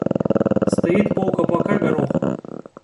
Стоит полколпака гороху.